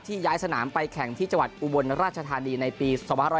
ย้ายสนามไปแข่งที่จังหวัดอุบลราชธานีในปี๒๕๖๒